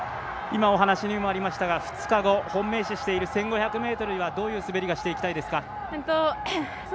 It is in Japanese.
今、お話にもありましたが２日後、本命視している１５００ｍにはどういう滑りをしていきたいですか？